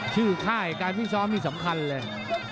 ชื่อค่ายการวิ่งซ้อมมันสำคัญเลย